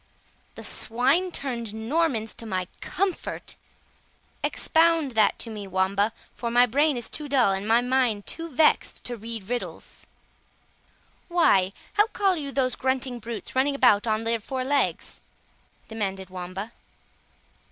"The swine turned Normans to my comfort!" quoth Gurth; "expound that to me, Wamba, for my brain is too dull, and my mind too vexed, to read riddles." "Why, how call you those grunting brutes running about on their four legs?" demanded Wamba.